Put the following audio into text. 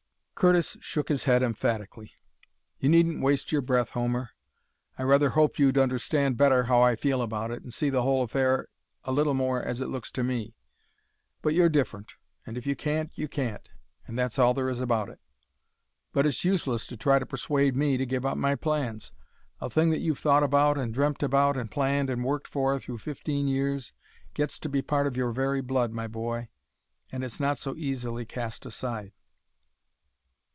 Curtis shook his head emphatically. "You needn't waste your breath, Homer. I rather hoped you'd understand better how I feel about it, and see the whole affair a little more as it looks to me. But you're different; and if you can't, you can't, and that's all there is about it. But it's useless to try to persuade me to give up my plans. A thing that you've thought about and dreamt about and planned and worked for through fifteen years gets to be part of your very blood, my boy, and it's not so easily cast aside."